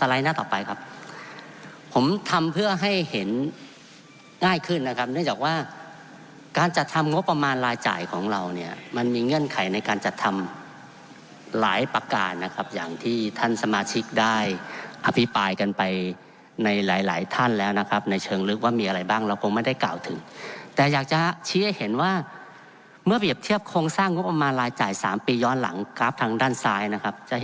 สไลด์หน้าต่อไปครับผมทำเพื่อให้เห็นง่ายขึ้นนะครับเนื่องจากว่าการจัดทำงบประมาณรายจ่ายของเราเนี่ยมันมีเงื่อนไขในการจัดทำหลายประการนะครับอย่างที่ท่านสมาชิกได้อภิปรายกันไปในหลายหลายท่านแล้วนะครับในเชิงลึกว่ามีอะไรบ้างเราคงไม่ได้กล่าวถึงแต่อยากจะชี้ให้เห็นว่าเมื่อเปรียบเทียบโครงสร้างงบประมาณรายจ่ายสามปีย้อนหลังกราฟทางด้านซ้ายนะครับจะ